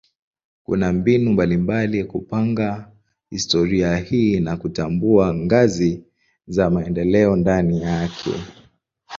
Kuna mbinu mbalimbali kupanga historia hii na kutambua ngazi za maendeleo ndani yake.